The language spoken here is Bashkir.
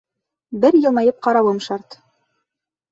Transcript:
Бер йылмайып ҡарауым шарт.